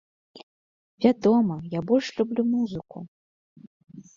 Вядома, я больш люблю музыку!